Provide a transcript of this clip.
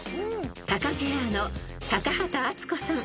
［タカペアの高畑淳子さん